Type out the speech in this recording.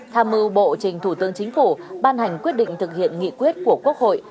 tham mưu bộ trình thủ tướng chính phủ ban hành quyết định thực hiện nghị quyết của quốc hội